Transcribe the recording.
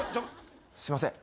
すいません。